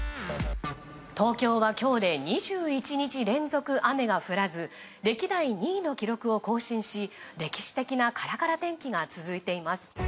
東京は今日で２１日連続雨が降らず歴代２位の記録を更新し歴史的なカラカラ天気が続いています。